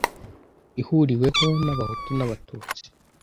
ihuriwemo n’Abahutu n’Abatutsi